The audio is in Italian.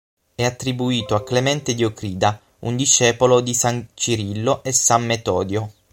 È attribuito a Clemente di Ocrida, un discepolo di San Cirillo e San Metodio.